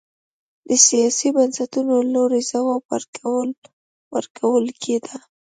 د سیاسي بنسټونو له لوري ځواب ورکول کېده.